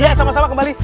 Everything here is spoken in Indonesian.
iya sama sama kembali